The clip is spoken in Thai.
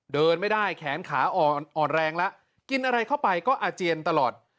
เดินไม่ได้แขนขาอ่อนแรงแล้วกินอะไรเข้าไปก็อาเจียนตลอด